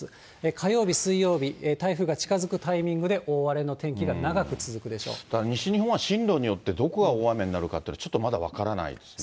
火曜日、水曜日、台風が近づくタイミングで大荒れの天気が長く続西日本は進路によってどこが大雨になるかって、ちょっとまだ分からないですね。